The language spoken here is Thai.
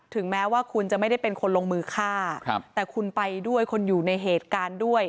แม้ว่าคุณจะไม่ได้เป็นคนลงมือฆ่าแต่คุณไปด้วยคุณอยู่ในเหตุการณ์ด้วย